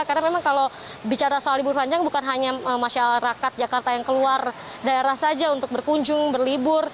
karena memang kalau bicara soal libur panjang bukan hanya masyarakat jakarta yang keluar daerah saja untuk berkunjung berlibur